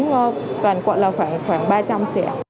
toàn quận là khoảng ba trăm linh trẻ